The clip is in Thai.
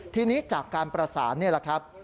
ทีนี้จากการประสานนี่แหละครับ